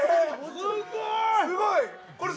すごい！